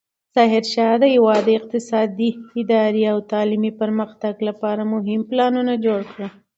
ظاهرشاه د هېواد د اقتصادي، اداري او تعلیمي پرمختګ لپاره مهم پلانونه جوړ کړل.